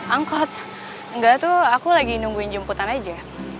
angkot enggak tuh aku lagi nungguin jemputan aja